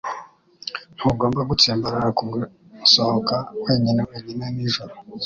Ntugomba gutsimbarara ku gusohoka wenyine wenyine nijoro